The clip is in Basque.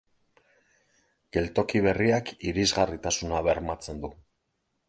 Geltoki berriak irisgarritasuna bermatzen du.